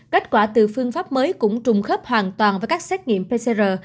kết quả từ phương pháp mới cũng trùng khớp hoàn toàn với các xét nghiệm pcr